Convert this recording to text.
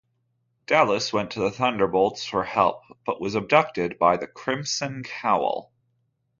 Dallas went to the Thunderbolts for help but was abducted by the Crimson Cowl.